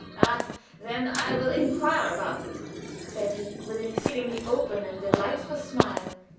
"Ah, then I will inquire about it," said he, with an exceedingly open and delightful smile.